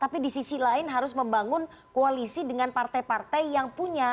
tapi di sisi lain harus membangun koalisi dengan partai partai yang punya